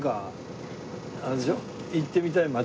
行ってみたい街。